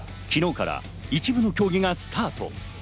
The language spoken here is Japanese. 昨日から一部の競技がスタート。